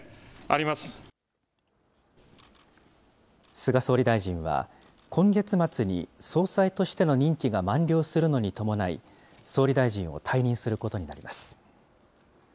菅総理大臣は、今月末に総裁としての任期が満了するのに伴い、総理大臣を退任することになります。